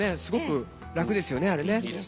すごく楽ですよねあれね。